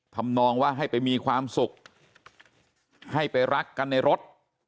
ทำนองว่าให้ไปมีความสุขให้ไปรักกันในรถ